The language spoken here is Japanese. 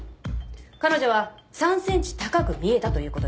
彼女は３ｃｍ高く見えたということです。